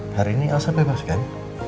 hari ini alasan bebas kan